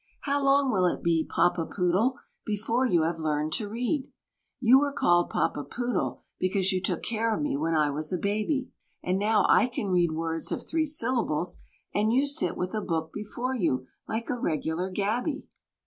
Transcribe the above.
How long will it be, Papa Poodle, before you have learned to read? You were called Papa Poodle because you took care of me when I was a baby: And now I can read words of three syllables, and you sit with a book before you like a regular gaby.